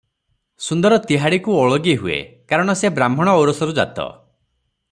ସୁନ୍ଦର ତିହାଡ଼ିକୁ ଓଳଗି ହୁଏ, କାରଣ ସେ ବ୍ରାହ୍ମଣ ଔରସରୁ ଜାତ ।